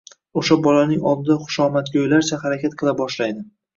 o‘sha bolaning oldida xushomadgo‘ylarcha harakat qila boshlaydi.